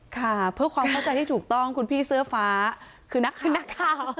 ค่ะเพื่อความเข้าใจที่ถูกต้องคุณพี่เสื้อฟ้าคือนักขึ้นนักข่าว